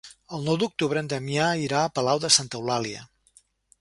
El nou d'octubre en Damià irà a Palau de Santa Eulàlia.